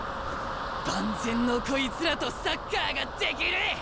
万全のこいつらとサッカーができる！